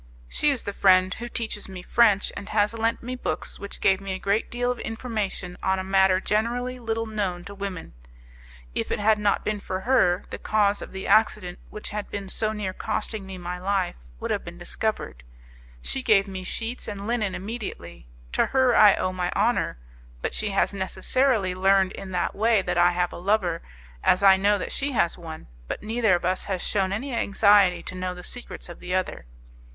She is the friend who teaches me French, and has lent me books which gave me a great deal of information on a matter generally little known to women. If it had not been for her, the cause of the accident which has been so near costing me my life, would have been discovered. She gave me sheets and linen immediately; to her I owe my honour; but she has necessarily learned in that way that I have a lover, as I know that she has one; but neither of us has shewn any anxiety to know the secrets of the other.